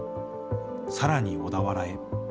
さらに小田原へ。